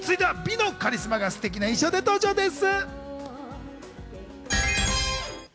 続いては、美のカリスマがステキな衣装で登場です。